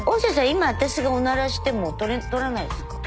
今私がおならしても録らないですか？